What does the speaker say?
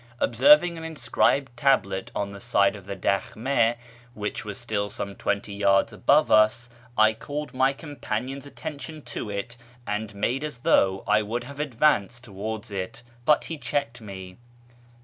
Observing an inscribed tablet on the side of the dal hm6 (which was still some twenty yards above us) I called my companion's attention to it, and made as though 1 would have advanced towards it ; but he checked me.